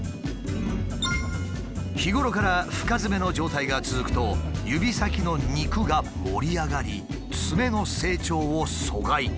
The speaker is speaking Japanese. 日頃から深ヅメの状態が続くと指先の肉が盛り上がりツメの成長を阻害。